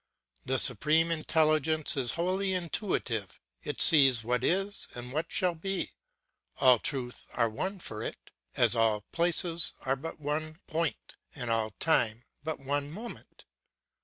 The Supreme Intelligence is wholly intuitive, it sees what is and what shall be; all truths are one for it, as all places are but one point and all time but one moment.